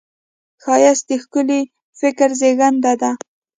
ښایست د ښکلي فکر زېږنده ده